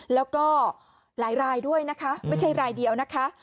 แล้วก็หลายรายด้วยนะคะไม่ใช่รายเดียวนะคะ